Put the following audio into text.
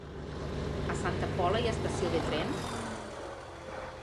A Santa Pola hi ha estació de tren?